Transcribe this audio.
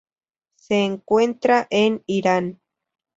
Se encuentra en Irán.